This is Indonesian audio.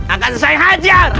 akan saya hajar